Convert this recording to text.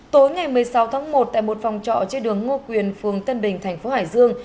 tối ngày một mươi sáu tháng một tại một phòng trọ trên đường ngô quyền phường tân bình thành phố hải dương